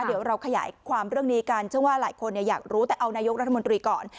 เดี๋ยวเราขยายความเรื่องนี้กันเชื่อว่าหลายคนอยากรู้แต่เอานายกรัฐมนตรีก่อน